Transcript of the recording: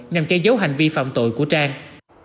nhằm che giấu hành vi phạm tội của trang